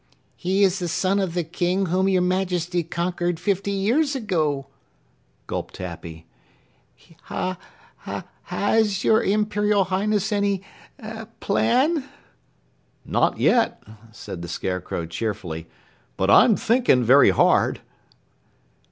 "He is the son of the King whom your Majesty conquered fifty years ago," gulped Happy. "Ha has your Imperial Highness any plan?" "Not yet," said the Scarecrow cheerfully, "but I'm thinking very hard."